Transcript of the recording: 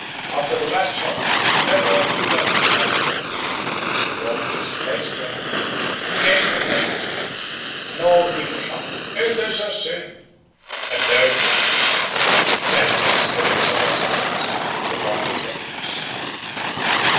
As the last shout 'Let all be well' dies away, the performer gives place to another, and again confession is made, and all the people shout 'It is a sin.' A third time it is done. Then, still in solemn silence, the calf is let loose.